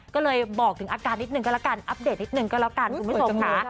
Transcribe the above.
ก็เลยบอกถึงอาการนิดนึงก็แล้วกันอัปเดตนิดนึงก็แล้วกันคุณผู้ชมค่ะ